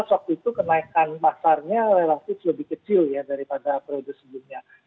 dan dua ribu sembilan belas waktu itu kenaikan pasarnya relatif lebih kecil ya daripada periode sebelumnya